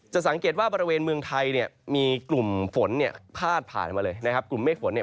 จะสังเกตว่าบริเวณเมืองไทยมีกลุ่มเต้นฟนพาดผ่านมาเลย